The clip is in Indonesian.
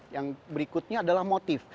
yang berikutnya adalah motif